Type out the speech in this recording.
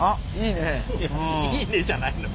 いやいいねじゃないの。